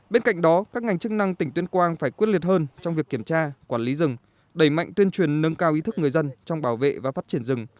bên cạnh đó các ngành chức năng tỉnh tuyên quang phải quyết liệt hơn trong việc kiểm tra quản lý rừng đẩy mạnh tuyên truyền nâng cao ý thức người dân trong bảo vệ và phát triển rừng